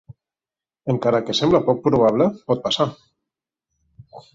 Encara que sembla poc probable, pot passar.